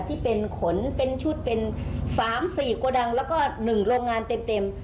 ที่เป็นขนเป็นชุดเป็น๓๔โกดังแล้วก็๑โรงงานเต็ม